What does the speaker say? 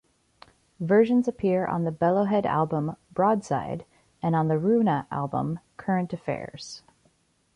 Versions appear on the Bellowhead album "Broadside" and on the Runa album "Current Affairs".